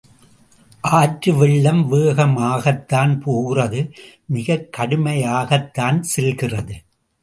ஆற்று வெள்ளம் வேகமாகத்தான் போகிறது மிகக் கடுமையாகத்தான் செல்லுகிறது.